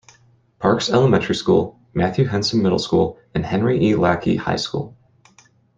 Parks Elementary School, Matthew Henson Middle School and Henry E. Lackey High School.